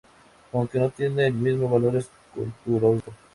Aunque no tiene el mismo valor escultórico.